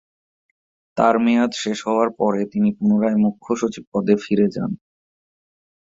তার মেয়াদ শেষ হওয়ার পরে তিনি পুনরায় মুখ্য সচিব পদে ফিরে যান।